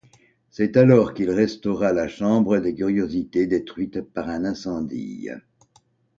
C'est alors qu'il restaura la Chambre des curiosités détruite par un incendie.